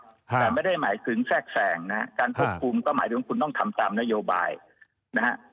แต่ไม่ได้หมายถึงแทรกแสงนะฮะการควบคุมก็หมายถึงคุณต้องทำตามนโยบายนะฮะ